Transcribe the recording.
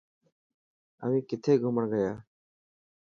اوهين کٿي گھمڻ گيا.